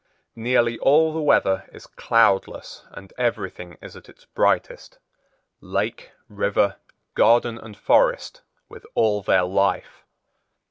Nearly all the weather is cloudless and everything is at its brightest—lake, river, garden and forest with all their life.